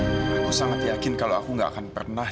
aku sangat yakin kalau aku gak akan pernah